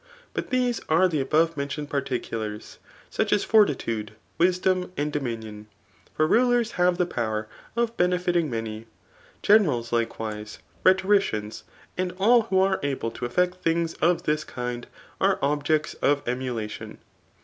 But these are the above mentioned particulars, such as fortitude, wisdom, and dominion ; for rulers have the power of benefiting many. Generals likewise, rhetoricians, and all who are able to eflFect things of this kind are objects of emulation.